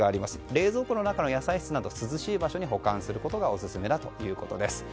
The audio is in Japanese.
冷蔵庫の野菜室など涼しい場所に保管することがオススメだということです。